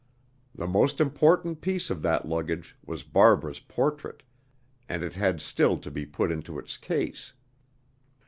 The most important piece of that luggage was Barbara's portrait, and it had still to be put into its case.